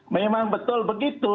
memang betul begitu